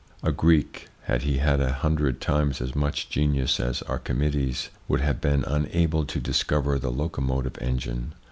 A Greek, had he had a hundred times as much genius as Archimedes, would have been unable to discover the locomotive engine.